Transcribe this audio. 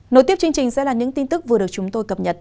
nối tiếp chương trình sẽ là những tin tức vừa được chúng tôi cập nhật